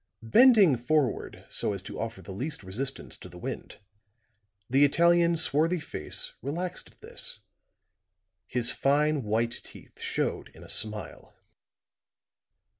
Bending forward so as to offer the least resistance to the wind, the Italian's swarthy face relaxed at this; his fine white teeth showed in a smile.